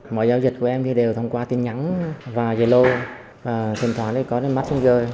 mọi giao dịch của em thì đều thông qua tin nhắn và zalo và thỉnh thoảng có đến bắt không rơi